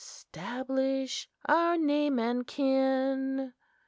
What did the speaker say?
'Stablish our name and kin!"